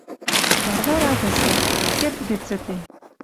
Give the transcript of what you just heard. Варвара вӹса. Кердде цӹтен.